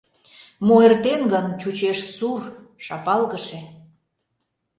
Мо эртен гын — чучеш сур, шапалгыше.